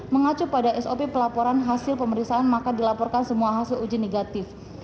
mengacu pada sop pelaporan hasil pemeriksaan maka dilaporkan semua hasil uji negatif